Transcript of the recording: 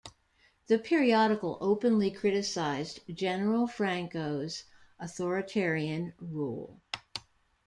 The periodical openly criticized General Franco's authoritarian rule.